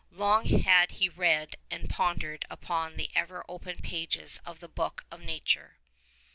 Long had he read and pondered upon the ever Open pages of the book of Nature.